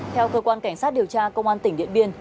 theo cơ quan cảnh sát điều tra công an tỉnh điện biên